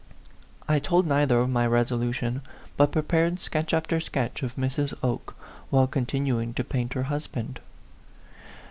I told neither of my resolution, but prepared sketch after sketch of Mrs. Oke, while continuing to paint her husband.